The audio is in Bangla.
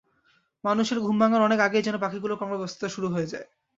মানুষের ঘুম ভাঙার অনেক আগেই যেন পাখিগুলোর কর্মব্যস্ততা শুরু হয়ে যায়।